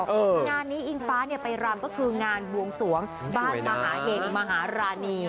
งานนี้อิงฟ้าไปรำก็คืองานบวงสวงบ้านมหาเห็งมหารานี